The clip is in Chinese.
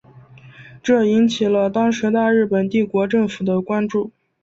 这引起了当时大日本帝国政府的关注。